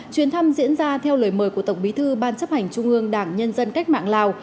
chuyến thăm diễn ra theo lời mời của tổng bí thư ban chấp hành trung ương đảng nhân dân cách mạng lào